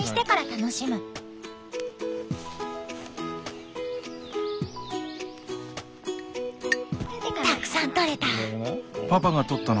たくさん取れた！